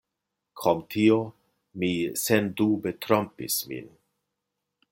Krom tio, mi sendube trompis min.